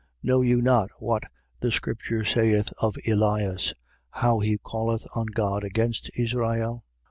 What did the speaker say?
Know you not what the scripture saith of Elias, how he calleth on God against Israel?